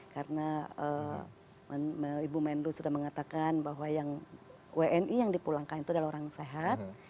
karena ibu mendlu sudah mengatakan bahwa yang wni yang dipulangkan itu adalah orang sehat